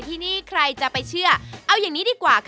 กินกันได้วันหนึ่งไม่กินจาน